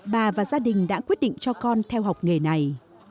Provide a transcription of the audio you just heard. bà và gia đình đã quyết định cho con theo học nghề này